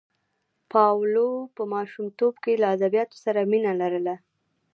پاولو په ماشومتوب کې له ادبیاتو سره مینه لرله.